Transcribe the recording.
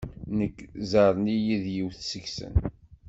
Nekk ẓerren-iyi d yiwet seg-sen.